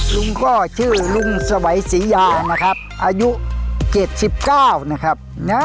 ลุงก็ชื่อลุงสวัยศรียานะครับอายุ๗๙นะครับ